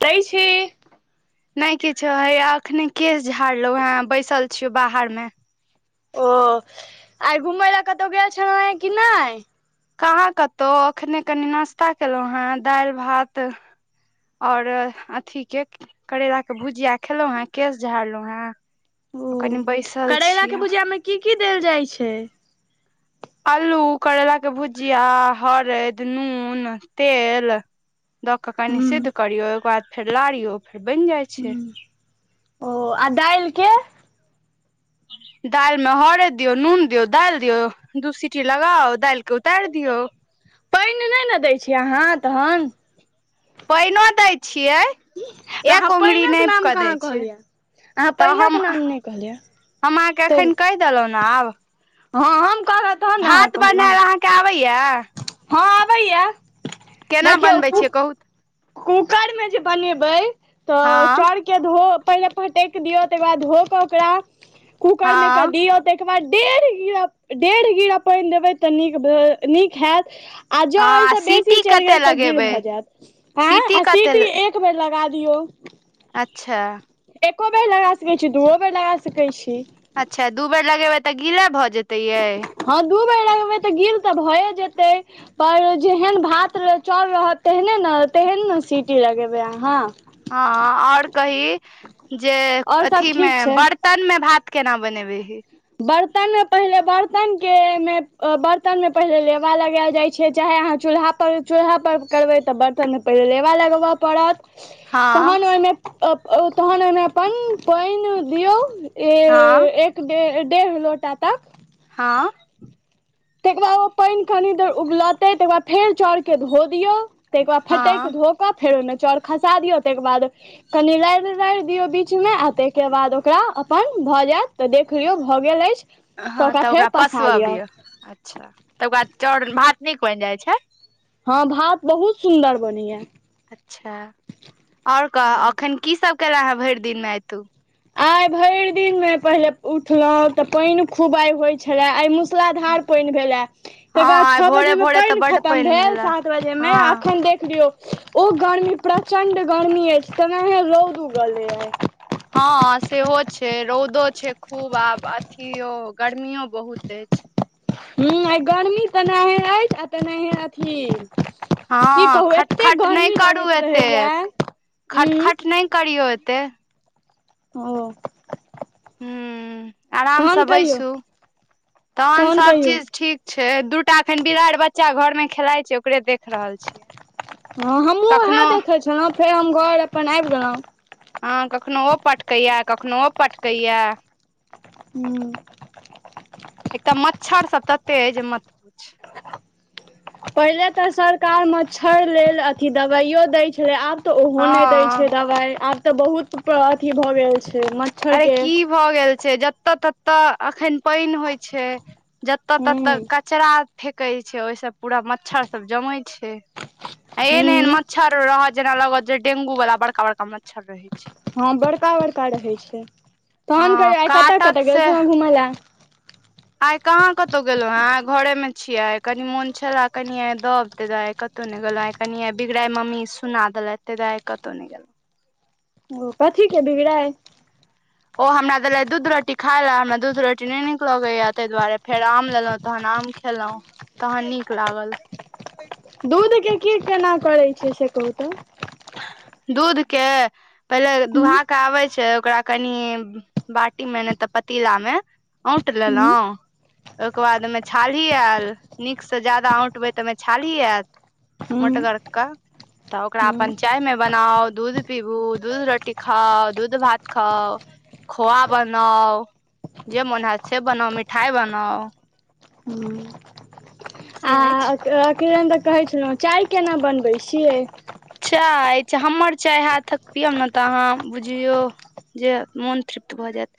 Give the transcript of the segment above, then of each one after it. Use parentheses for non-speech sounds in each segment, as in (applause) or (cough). तै छै नहि किछो हे एखने केश झाड़लहु ह बैसल छियौ बाहरमे ओ आइ घुमय लए कतहु गेल छलहु हें कि नहि कहाँ कतहु एखने कनी नाश्ता केलहुँ हेँ दालि भात और अथी के करेलााक के भुजिया खेलहुँ हें केश झारलहु हें ओ आ कनि बैसल करैलाके छियै भुजियामे की की देल जाइ छै अल्लू करैलाके भुजिया हरदि नून तेल दऽ कऽ कनि हूँ सिद्ध करियौ ओहिकर बाद फेर लारियौ फेर बनि जाइ छै हूँ ओ आ दालि के (unintelligible) दालिमे हरैद दियौ नून दियौ दालि दियौ दू सीटी लगाउ दालिके उतारि दियौ पानि नहि ने दै छियै अहाँ तहन पाइनो दै छियै अहाँ एक पानिक ओगंरीनापि नाम कऽ दै कहाँ छै कहलियै अहाँ तऽ पानिक हम नाम नहि कहलियै हम अहाँके एखन कहि देलहुँ ने आब हँ हम कहलहुँ तहन ने अहाँ भात कहलहुँ बनायल अहाँके आबैए हँ अबैया केना बनबै छियै कहूत कूकर मे जे बनेबै तऽ हँ चौरके धो पहि पटक दियऔ त बाद ध के ओकरा कूकर मे क हँ दियऔ त बाद डेढ़ गीरा पानि देबै तऽ नीक नीक होयैत आ जो हँ एहय आ स बेसी सीटी चलि कते गेल तऽ गील लगेबै भ जायत आ आ सीटी एक बेर लागत लगा दियौ अच्छा एको बेर लगा सकैत छी दुओ बेर लगा सकैत छी अच्छा दू बेर लगेबै तऽ गीला भऽ जेतै यै हँ दू बेर लगेबै तऽ गिल तऽ भए जेतय (unintelligible) पर जेहन भात चौर रहत तेहने ने तेहन ने सीटी लगेबै अहाँ हँ आओर कही जे आओर सब अथी मे ठीक छै बर्तन मे भात केना बनेबै ही बर्तनमे पहिल बर्तनके बर्तनमे पहिले लेबा लगायल जाइ छै चाहे अहाँ चूल्हा पर चूल्हापर करबै तऽ बर्तनमे पहिनेे लेबा लगबऽ पड़त हँ तहन ओहिमे तहन ओहिमे अपन पानि दियौ ई हँ एक डेढ़ लोटा तक हँ तकर बाद ओ पानि कनि देर उबलतै तकर बाद फेर चाउरके धो दियौ त फटक हँ धोक फेरो न चाउर खसा दियऔ ताहिके बाद कनि रारि रारि दियो बीच में आ ताहिके बाद ओकरा अपन भए जायत ते देखियो भए गेल अछि हँ तऽ ओकरा फेर पसा लिअ पसबबियौ अच्छा तब ओकरा चाउर भात नीक बनि जाइ छै हँ भात बहुत सुन्दर बनैया अच्छा आओर हूँ कह एखन कीसभ केल हेँ भरि दिनमे आय तु आइ भरि दिन मे पहिले उठलहुं तऽ पानि खूब आइ होय छले आइ मु हँ मूसलाधार पनि भेल हे तकर बाद आइ छओ भोरे बजे में भोरे तऽ पानि बड्ड खतम पानि भेल भेले सात बजे में हँ अखन देख लियो ओ गरमी प्रचण्ड गरमी अछि तनाहिये रौद उगल य हँ सेहो छै रौदो छै खूब आब अथियो गर्मियो बहुत अछि हूँ आ गर्मी तनाहिेये अछि आ तनाहिेये अथी की हँ कहू एते खटखट नहि गर्मी करू लगैत रहैया एतेक उं खटखट नहि करियौ एते ओ हूँ तहन आरामसँ कहियौ बैसु तहन सभचीज ठीक छै दूटा एखन बिरारि बच्चा घरमे खेलाइ छै ओकरे देख रहल छियै हँ हमहूँ उएह कखनो देखै छलहुँ फेर हम घर अपन आबि गेलहुँ हँ कखनो ओ पटकैए कखनो पटकैए एकटा ह मच्छर तऽ तते अय जे मत पुछी पहिले तऽ सरकार मच्छर लेल अथी दबाइयो दै छलै आब तऽ ओहो नहि दय छै हँ दवाई आब तऽ बहुत अथी भऽ गेल छै अरे मच्छरके की भऽ गेल छै जतय ततऽ एखन पानि होइ छै जते हूँ तते कचरा फेेक छै ओहि से पूरा मच्छर सब जमय अच्छा एहन हूँ एहन मच्छर रहत जेना लागत जे डेंगू वाला बड़का बड़का मच्छर रहे छै हँ बड़का बड़का रहै छै तहन हँ कहियौ आ कतय काटत कतय से गेल छलौ घूमैय लए आइ कहाँ कतहु गेलहुँ हेँ आइ घरेमे छियै आइ कनि मोन छलए कनि आइ दब तै दुवारे आइ कतहु कतौ नहि गेलो आय बिगड़ाय मम्मी सुना देलैत तै दुवे कतौ नहि गेलौ ओ कथी के बिगड़ाय ओ हमरा देलै दूध रोटी खाय लए हमरा दूध रोटी नहि नीक लगैया ताहि दुआरे फेर आम लेलहुँ तहन आम खेलहुॅं तहन नीक लागल दूधके की केना करैत छैिय से कहू तऽ दूध के पहिले हूँ दुहा के आबे छै ओकरा कनि बाटी मे ने तऽ पतीला मे औंट हूँ लेलहु ओहिके बाद ओमे छाल आयल नीकसँ ज्यादा औंटबै तऽ ओहिमे छाली आयल हूँ मोटगर क तऽ ओकरा हूँ अपन चाय मे बनाउ दूध पीबू दूध रोटी खाउ दूध भात खाउ खोआ बनाउ जे मन हैय छै से बनाउ मिठाइ बनाउ हूँ से आ अछि अकेल तऽ कहैत छलहुँ चाय केना बनबैत छियै चाय हमर चाय हाथक पियब ने तऽ अहाँ बुझियौ जे मोन तृप्त भऽ जायत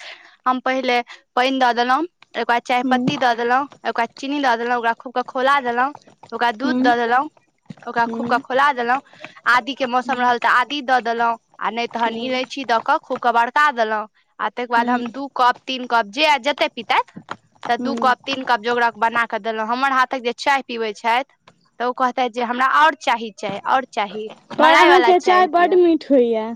हम पहिले पानि दऽ देलहुं ओके बाद चाय हूँ पत्ती दऽ देलहु देलहुँ ओकरा चीनी दऽ देलहुँ ओकरा खूब क खौला देलहुँ ओकरा हूँ दूध दऽ देलहुँ ओकरा खूब हूँ क खोला देलहुँ आदी के मौसम हूँ रहल तऽ आदी दऽ देलहुं आ नहि तहन हूँ इलायची दऽ कऽ खूब के बरका देलहुँ आ तेकर बाद हूँ हम दू कप तीन कप जे ऐल जेते कप तऽ दू हूँ कप तीन कप जोगरक बना कऽ देलहुँ हमर हाथक जे चाय पीबैत छैथ तऽ ओ कहते जे हमरा आओर चाही चाय आओर चाही पर मलाइवला अहाँके चाय बड्ड दिअ मीठ होइए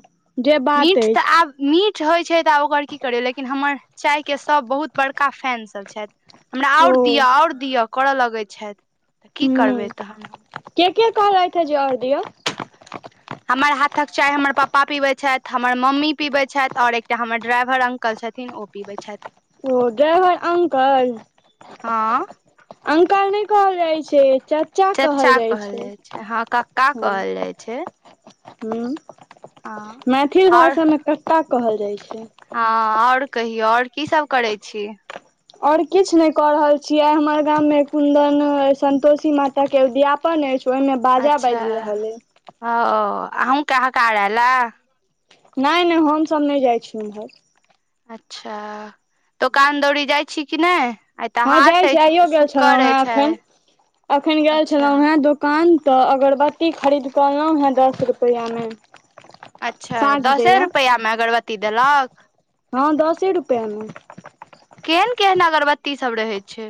जे बात मीठ तऽ अछि आब मीठ होइ छै तऽ आब ओकर की करिय लेकिन हमर चाय के सभ बहुत बड़का फैन सभ छथि हमरा ओ आओर दिअ आओर दिअ करऽ लगै छथि तऽ की हूँ करबै तऽन के के कहलथि जे आओर दिअ हमर हाथक चाय हमर पापा पीबै छथि हमर मम्मी पीबै छथि और एकटा हमर ड्राइवर अंकल छथिन ओ पीबै छथि ओ डाइवर अंकल हँ अंकल नहि कहल जाइ छै चाचा चच्चा कहल जाइ छै हँ कक्का ह कहल जाइ छै ह हँ मैथिल और भाषामे कक्का कहल जाइ छै हँ आओर कहियौ आओर कीसभ करै छी और किछ नइ कऽ रहल छियै आइ हमर गाम मे कुन्दन संन्तोषी माता के उदियापन अछि ओहिमे बाजा बाजि रहल अइ अ अहु के हकार ऐल है नहि नहि हमसभ नहि जाइ छी उम्हर अच्छा दोकान दौरी जाइ छी कि नहि आइ तऽ हँ हाट जाइ छी आइयो अछि गेल छलहुँ शुक्र हेँ अछि एखन आइ एखन गेल अच्छा छलौँ हेँ दूकान तऽ अगरबत्ती खरीद कऽ अलहुँ हँ दस रुपैया में अच्छा दसे रुपैया में अगरबत्ती देलक पन केहन केहन अगरबत्ती सभ रहै छै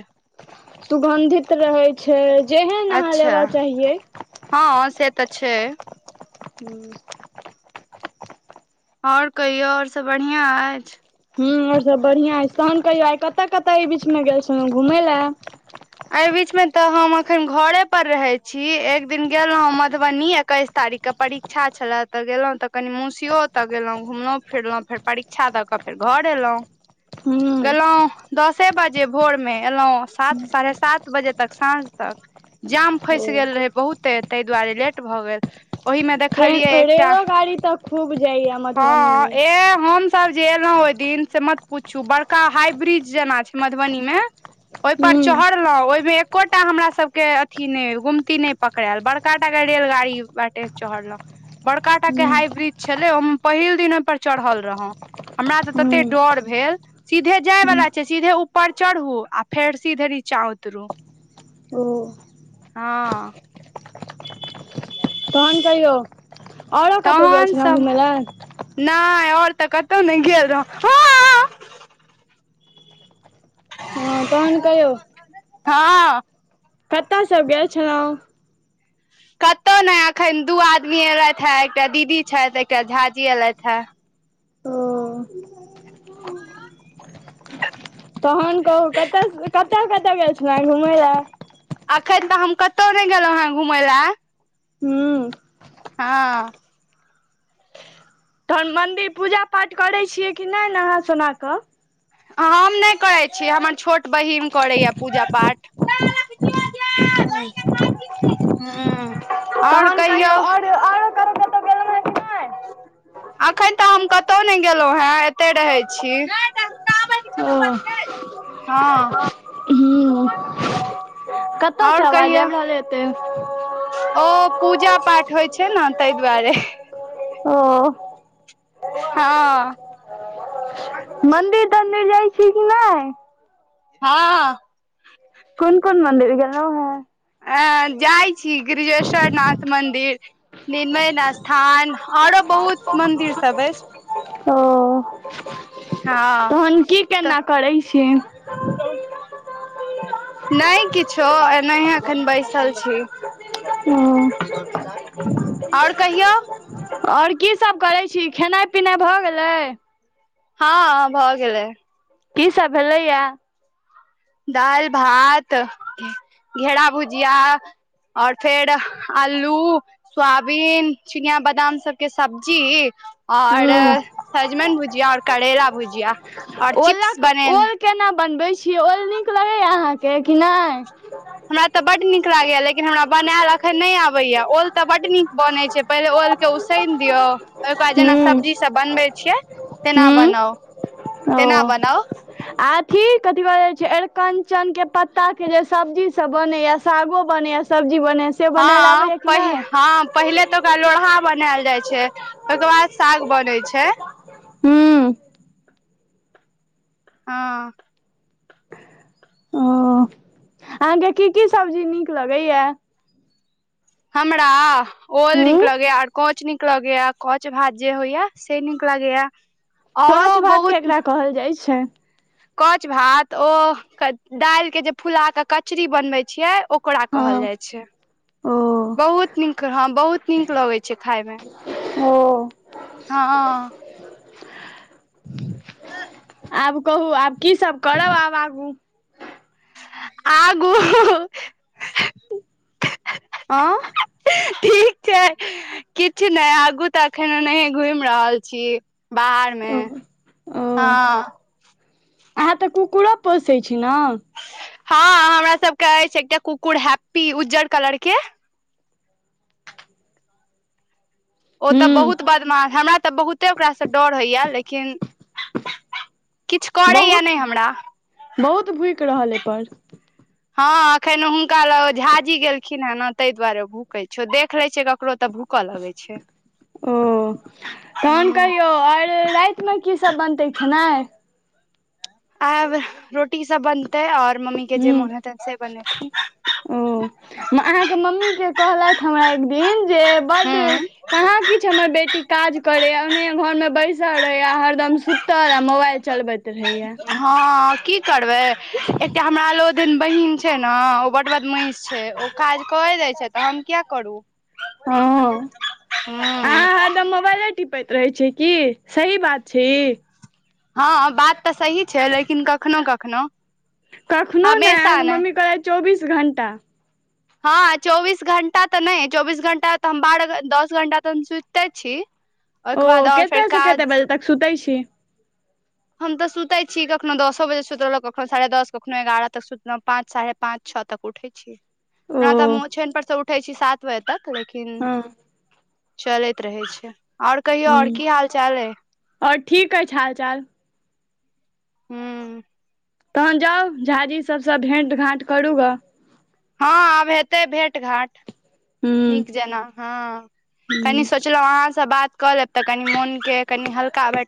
सुगन्धित रहै छै जेहन अहाँ अच्छा लेबाक चाहियै हँ से तऽ छै हू आओर कहियौ आओर सभ बढ़िआँ अछि हँ आर सब बढ़िआं अछि तहन कहियौ आइ कतय कतय एहि बीचमे गेल छलहुँ घूमय लए एहि बीचमे तऽ हम अखन घरे पर रहै छी एक दिन गेल रहौँ मधुबनी एकयस तारिक के परीक्षा छलए तऽ गेलहुँ तऽ कनि मौसियो ओतअ गेलहुँ घुमलहुँ फिरलहुँ फेर परीक्षा दऽ कऽ फेर घर एलहुँ हूं गेलहूँ दसे बजे भोर मे एलहुँ सात साढ़े सात बजे तक साँझ तक जाम फसि ओ गेल रहे बहुते ताहि दुआरे लेट भऽ गेल ओहि मे ट्रेन देखलियै एकटा रेलो गाड़ी तऽ खूब जाइया मधुबनी हँ मे ए हम सब जे एलहुं ओहि दिन से मत पूछू बड़का हाइब्रिज जेना छै मधुबनी मे ओहिपर हूं चढ़लहुँं ओहिमे एक एकोटा हमरा सभके अथी नइ गुमती नइ पकड़ायल बड़का टा के रेलगाड़ी बाटे चढ़लहु बड़का टाके हूं हाइब्रिज छलै ओ पहिल दिन ओहिपर चढ़ल रहौ हमरा तऽ तते हूं डर भेल सीधे जाय हूं वला छै सीधे ऊपर चरहू आ फेर सीधे निचा उतरू ओ हँ तहन कहियौ औरो कतहु गेल छलहुँ घूमय ल नय और तऽ कतहु नइ गेल रहू हँ हँ तहन कहियो हँ कतय सब गेल छलहु कतहु नय एखन दू आदमी एलैथ हे एकटा दीदी छथि एकटा झाजी एयलैथ हे ओ तखन कहू कतय कतय कतय गेल छलहु घुमय ल एखन तऽ हम कतहु नइ गेलहुँ हे घूमैय ल हू हँ तहन मन्दिर पूजा पाठ करैत छियै कि नै नहाँ सोना कऽ हम नइ करैत छी हमर छोट बहिन करैए पूजा पाठ हूँ तहन कहियौ आओर आओर अखन तऽ हम कतहु ने गेलहु हे एते रहै छी कि नहि हँ हू कतअ स आओर आवाज कहियौ आबि रहल य एते ओ पूजा पाठ होइ छै न तइ दुआरे ओ हँ मन्दिर तन्दिर जाइ छी कि नइ हँ कोन कोन मन्दिर गेलहु हे अ जाइ छी ग्रिजेश्वरनाथ मन्दिर निर्मय स्थान आओरो बहुत मंदिर सब अछि ओ हँ तहन की तऽ केना करै छि नइ किछो एनाहे एखन बैसल छी आओर कहियौ आओर की सब करै छी खेनाइ पिनाइ भऽ गेलै हँ भऽ गेलै की सब भेलै य दाइल भात घेरा भुजिया और फेर आल्लू सोयाबीन चिनिया बादाम सबके सब्जी और हूँ सजमनि भुजिया और करेला भुजिया और चिप्स बनेन छी ओल नीक लगै य अहाँके कि नै हमरा तऽ बड नीक लागै य लेकिन हमरा बनायल अखन नइ आबै य ओल तऽ बड्ड नीक बनै छै पहिने ओल के उसैन दियौ ओहिके बाद जेना हूँ सब्जी सब बनबै छियै तेना बनाउ हूँ तेना ओ बनाउ आ कथी कहे छै एर कंचन के पत्ता के जे सब्जी सब बने या सागो बने या सब्जी बनै से बनायल हँ आबैया कि प नहि हँ पहिले तऽ ओकरा लोरहा बनायल जाइ छै ओहिके बाद साग बनेै छै हू हँ ओ अहाँके की की सब्जी नीक लगैया हमरा ओल हूँ निकलगे आओर कोच नीकलगैय लगेय कच भात जे होइया से नीक लगेय कछ भात केकरा कहल जाइ छै कछ भात ओ दालि के जे फुला के कचरी बनबै छियै ओकरा कहल हँ जाइ छै ओ बहुत नीक हँ बहुत नीक लगै छै खायमे हँ ह आब कहू आब की सब करब आब आगू आगू आ ठीक छै किछु नहि आगू तऽ एखन नहि घुमि रहल छी बाहरमे ओ ओ हँ अहाँ तऽ कुकुरो पोसै छी ने हँ हमरा सबके अछि एकटा कुकुर हैप्पी उज्जर कलर के ओ तऽ हूँ बहुत बदमाश हमरा तऽ बहुते ओकरासँ डर होइय लेकिन किछु करैए बहुत नहि हमरा ऊपर हँ एखन हुनका लग ओ झाजी गेलखिन हे ने ताहि दुआरे भूकै छ देख ले छ ककरो तऽ भू भूक लगै छै ओ तहन हूँ कहियौ आओर रातिमे कीसभ बनते खेनाय आब रोटी सब बनतै और मम्मी के जे हूँ मोन हेतै से बनेथिन ओ अहाँके मम्मी के कहलथि हमरा एक दिन जे बड्ड हूँ कहाँ किछु हमर बेटी काज करे अंगने घर में बैसल रहे आ हरदम सुतल आ मोबाइल चलबैत रहैए हँ की करबै एकटा हमरा लो दिन बहिन छै ने ओ बड बड महष छै ओ काज कर दै छै तऽ हम किया करू ह हूँ आहा हरदम मोबाइले टिपैत रहै छै की सही बात छै ई हँ बात तऽ सही छै लेकिन कखनो कखनो कखनो नहि अहाँके मम्मी कहथि चौबीस घंटा हँ चौबीस घंटा तऽ नहि चौबीस घंटा तऽ हम बारह दस घंटा तऽ हम सुइत ते छी ओ ओहिके बाद आओर फेर कतय से कते काज बजे तक सुतै छी हम तऽ सुतै छी कखनो दसो बजे सुतलहुँ कखनो साढ़े दस कखनो एगारह तक सुतलहु पाँच साढ़े पाँच छओ तक उठै छी ओ ओना तो हम ओछैन पर से उठै छी सात बजे तक लेकिन हँ चलैत रहै छै आओर कहियौ आओर हूँ की हाल चाल अइ आओर ठीक अछि हाल चाल हू तहन जाउ झाजी सबसँ भेंट घाँट करू ग हँ आब हेतै भेँट घाट हूँ नीक जेना हँ हूँ कनि सोचलहुँ अहाँसँ बात कऽ लेब तऽ कनि मोन के कनि हल्का ब